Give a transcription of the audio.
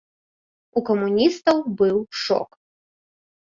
У камуністаў быў шок.